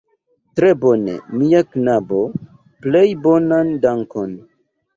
Tre bone, mia knabo, plej bonan dankon!